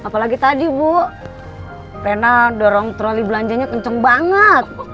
controli belanjanya kenceng banget